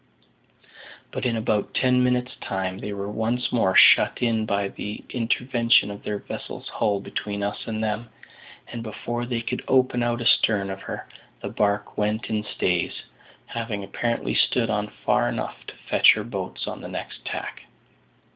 But in about ten minutes' time they were once more shut in by the intervention of their vessel's hull between us and them; and before they could open out astern of her, the barque went in stays, having apparently stood on far enough to fetch her boats on the next tack.